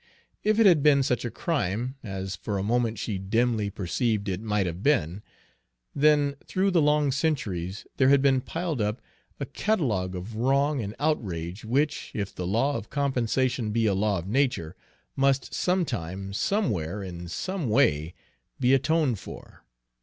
If it had been such a crime, as for a moment she dimly perceived it might have been, then through the long centuries there had been piled up a catalogue of wrong and outrage which, if the law of compensation be a law of nature, must some time, somewhere, in some way, be atoned for.